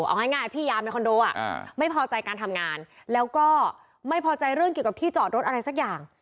เอาง่ายพี่ยามในคอนโดไม่พอใจการทำงานแล้วก็ไม่พอใจเรื่องเกี่ยวกับที่จอดรถอะไรสักอย่าง